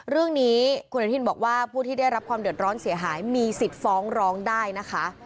เรื่องนี้พูดที่ได้รับความเดือดร้อนเสียหายมีสิทธิ์ฟ้องร้องได้นะคะ